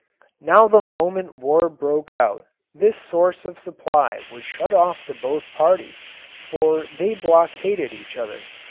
Now the moment war broke out this source of supply was shut off to both parties, for they blockaded each other.